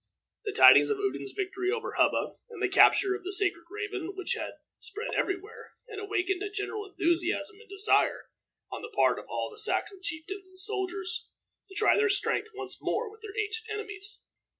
The tidings of Odun's victory over Hubba, and the capture of the sacred raven, which had spread every where, had awakened a general enthusiasm, and a desire on the part of all the Saxon chieftains and soldiers to try their strength once more with their ancient enemies.